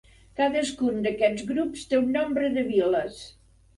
Cadascun d'aquests grups té un nombre de viles.